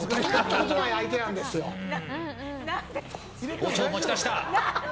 包丁を持ち出した！